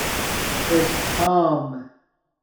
بِستام